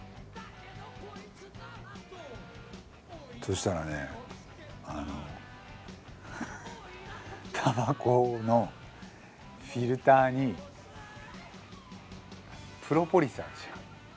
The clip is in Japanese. そしたらねあのたばこのフィルターにプロポリスあるじゃん。